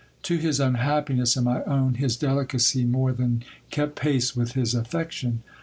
To his unhappiness and my own, his delicacy more than kept pace with his affection.